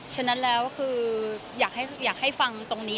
ฉะนั้นแล้วคืออยากให้ฟังตรงนี้